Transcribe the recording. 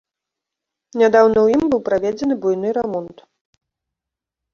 Нядаўна ў ім быў праведзены буйны рамонт.